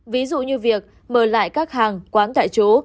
ví dụ như việc mở lại các hàng quán tại chỗ